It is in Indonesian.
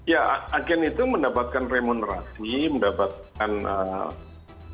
ya agen itu mendapatkan remunerasi mendapatkan